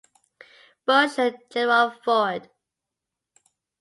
Bush and Gerald Ford.